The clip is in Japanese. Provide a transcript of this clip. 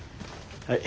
はい。